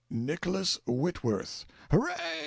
"'Nicholas Whitworth.'" "Hooray!